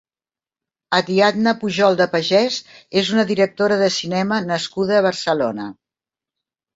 Ariadna Pujol de Pagès és una directora de cinema nascuda a Barcelona.